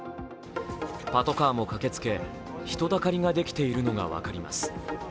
パトカーも駆けつけ、人だかりができているのが分かります。